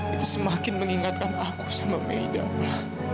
itu semakin mengingatkan aku sama meda pak